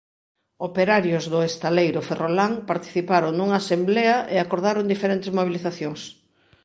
Operarios do estaleiro ferrolán participaron nunha asemblea e acordaron diferentes mobilizacións.